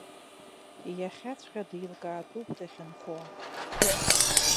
Иахьаҵәҟьа еилкаатәуп дахьынхо.